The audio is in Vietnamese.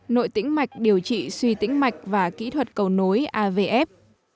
nội tĩnh mạch điều trị suy tĩnh mạch và kỹ thuật cầu nối avf